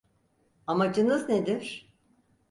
Amacınız nedir?